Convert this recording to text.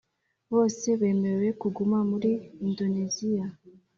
bose bemerewe kuguma muri Indoneziya